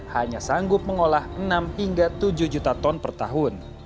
hanya sanggup mengolah enam hingga tujuh juta ton per tahun